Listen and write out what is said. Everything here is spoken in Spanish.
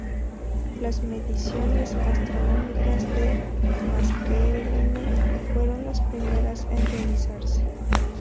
Las mediciones astronómicas de Maskelyne fueron las primeras en realizarse.